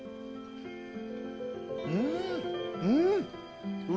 うんうん。